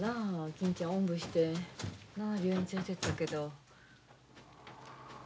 金ちゃんおんぶして病院連れていったけど。